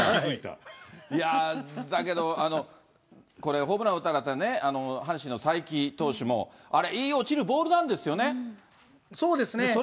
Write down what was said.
いや、だけどこれ、ホームラン打たれた阪神の才木投手も、あれ、いい落ちるボールなそうですね。